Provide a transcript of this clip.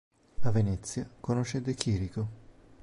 A Venezia conosce De Chirico.